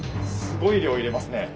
すごい量入れますね。